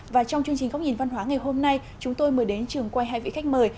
và trong chương trình góc nhìn văn hóa ngày hôm nay chúng tôi mời đến trường quay hai vị khách mời